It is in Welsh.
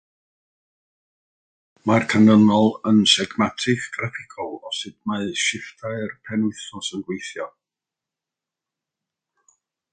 Mae'r canlynol yn sgematig graffigol o sut mae sifftiau'r penwythnos yn gweithio.